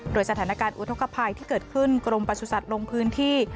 โดยสถานการณ์อุทธกภัยที่เกิดขึ้นกรมประสุทธิ์ลงพื้นที่